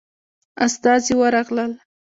استازي ورغلل.